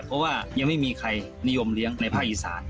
เพราะว่ายังไม่มีใครนิยมเลี้ยงในภาคอีสาน